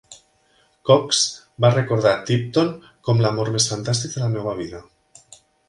Cox va recordar Tipton com l'amor més fantàstic de la meva vida.